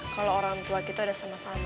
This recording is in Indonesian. kalo orang tua kita udah sama sama